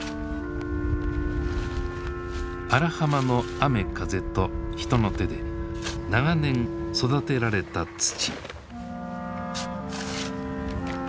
荒浜の雨風と人の手で長年育てられた土。